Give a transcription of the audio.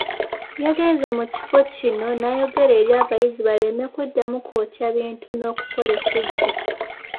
Yagenze mu kifo kino n’ayogera eri abayizi baleme kuddamu kwokya bintu n’okukola effujjo.